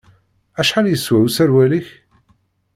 Acḥal yeswa userwal-ik?